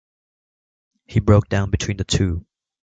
He broke down between the two.